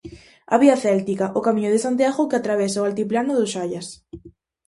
A Vía Céltica, o camiño de Santiago que atravesa o altiplano do Xallas.